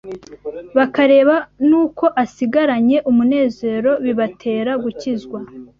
bakareba n’uko asigaranye umunezero, bibatera gukizwa